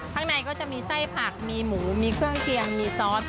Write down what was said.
ข้างในก็จะมีไส้ผักมีหมูมีเครื่องเคียงมีซอส